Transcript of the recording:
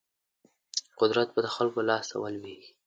قدرت به د خلکو لاس ته ولویږي.